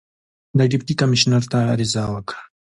د ډیپټي کمیشنر ته عریضه وکړه.